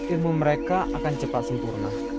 ilmu mereka akan cepat sempurna